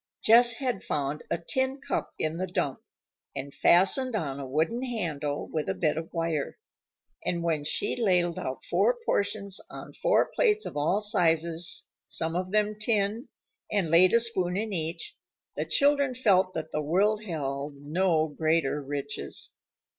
Jess had found a tin cup in the dump, and fastened on a wooden handle with a bit of wire. And when she ladled out four portions on four plates of all sizes, some of them tin, and laid a spoon in each, the children felt that the world held no greater riches.